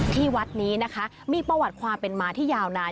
ที่วัดนี้นะคะมีประวัติความเป็นมาที่ยาวนาน